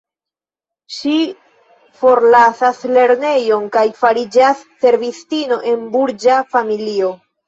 Ŝi forlasas lernejon kaj fariĝas servistino en burĝa familio.